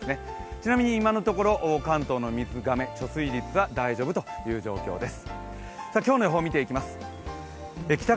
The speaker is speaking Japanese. ちなみに今のところ関東の水がめ、貯水率は大丈夫という状況です。